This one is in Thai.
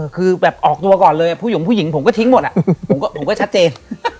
คือแบบออกตัวก่อนเลยผู้หญิงผมก็ทิ้งหมดผมก็ชัดเจน